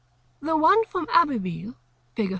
The one from Abbeville (fig.